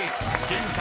［現在